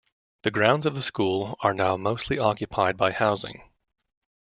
The grounds of the school are now mostly occupied by housing.